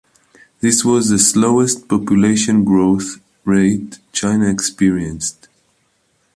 This was the slowest population growth rate China experienced.